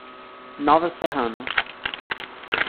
Nova Serrana